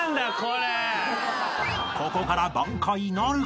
［ここから挽回なるか？